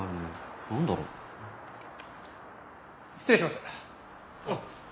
失礼します。